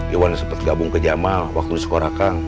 iwan sempet gabung ke jamal waktu di sekolah kang